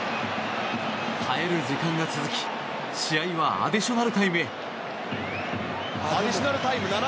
耐える時間が続き試合はアディショナルタイムへ。